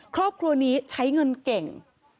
ครอบครัวนี้ใช้เงินเก่ง